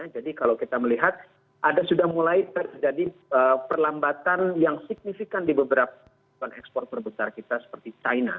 jadi kalau kita melihat ada sudah mulai terjadi perlambatan yang signifikan di beberapa ekspor terbesar kita seperti china